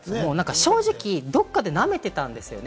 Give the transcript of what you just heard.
正直どっかでなめてたんですよね、